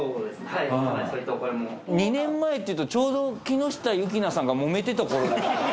２年前っていうとちょうど木下優樹菜さんがもめてた頃。